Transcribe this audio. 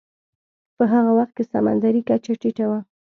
په هغه وخت کې سمندرې کچه ټیټه وه.